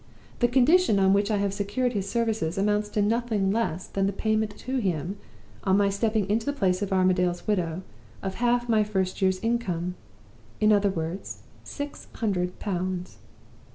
The condition on which I have secured his services amounts to nothing less than the payment to him, on my stepping into the place of Armadale's widow, of half my first year's income in other words, six hundred pounds!